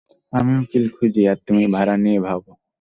আমি উকিল খুঁজি, আর তুমি ভাড়া নিয়া ভাবো।